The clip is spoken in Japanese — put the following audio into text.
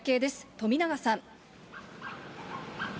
富永さん。